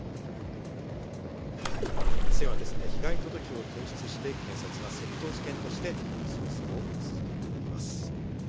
店は被害届を提出して、警察は窃盗事件として捜査を続けています。